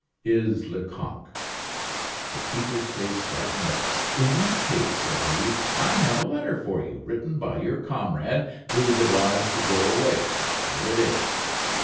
"Is Lecoq." The keeper's face brightened up. "In that case," said he, "I have a letter for you, written by your comrade, who was obliged to go away. Here it is."